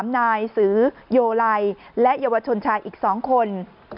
นายสือโยไลและเยาวชนชายอีก๒คน